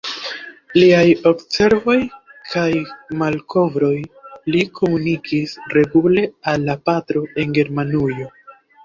Liaj observoj kaj malkovroj li komunikis regule al la patro en Germanujo.